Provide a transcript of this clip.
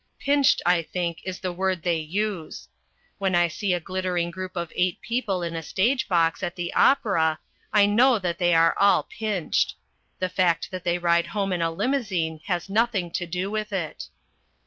Pinched, I think, is the word they use. When I see a glittering group of eight people in a stage box at the opera, I know that they are all pinched. The fact that they ride home in a limousine has nothing to do with it.